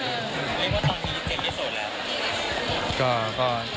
เพราะว่าตอนนี้เจ๊ไม่โสดแล้ว